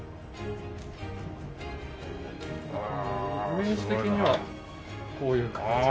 イメージ的にはこういう感じですね。